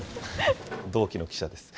同期の記者です。